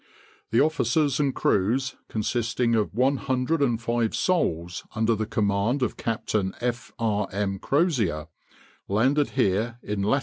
The officers and crews, consisting of 105 souls under the command of Captain F. R. M. Crozier, landed here in lat.